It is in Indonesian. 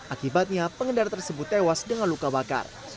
akibatnya pengendara tersebut tewas dengan luka bakar